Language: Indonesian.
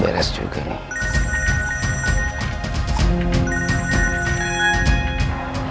beres juga nih